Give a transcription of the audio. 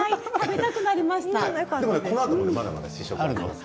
このあとも、まだまだ試食があります。